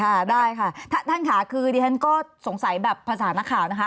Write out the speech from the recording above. ค่ะได้ค่ะท่านค่ะคือดิฉันก็สงสัยแบบภาษานักข่าวนะคะ